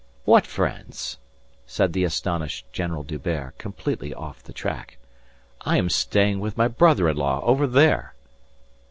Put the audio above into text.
"What friends?" said the astonished General D'Hubert, completely off the track. "I am staying with my brother in law over there."